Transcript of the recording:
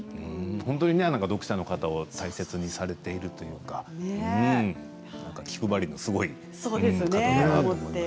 読者の方を大切にされているというか気配りがすごい方だなと思います。